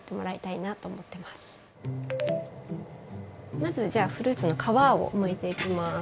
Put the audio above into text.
まずじゃあフルーツの皮をむいていきます。